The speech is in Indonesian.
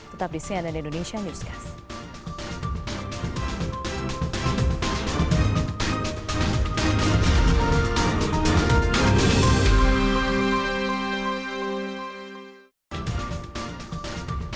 tetap di cnn indonesia newscast